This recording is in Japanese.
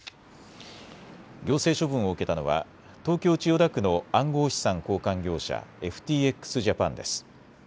行政処分を受けたのは東京千代田区の暗号資産交換業者、ＦＴＸジャパンです。